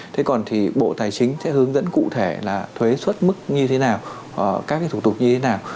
thế còn thì bộ tài chính sẽ hướng dẫn cụ thể là thuế xuất mức như thế nào các cái thủ tục như thế nào